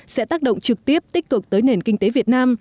sẽ tác động trực tiếp tích cực tới nền kinh tế việt nam